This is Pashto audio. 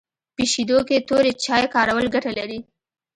په شیدو کي توري چای کارول ګټه لري